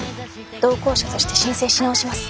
同行者として申請し直します。